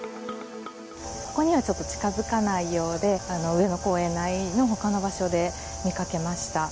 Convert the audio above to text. ここにはちょっと近づかないようで、上野公園内のほかの場所で見かけました。